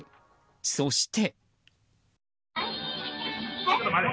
そして。